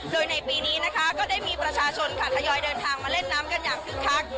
โดยในปีนี้นะคะก็ได้มีประชาชนค่ะทยอยเดินทางมาเล่นน้ำกันอย่างคึกคัก